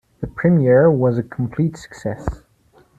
The premiere was a complete success.